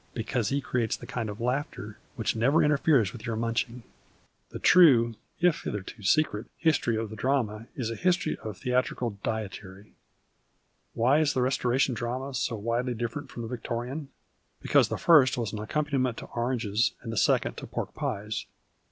Because he creates the kind of laughter which never interferes with your nmnching. The true, if hitherto secret, history of the drama is a history of theatrical dietary. Why is the Restoration drama so widely different from the Victorian ? Because the first was an accompaniment to oranges and the second to pork pies.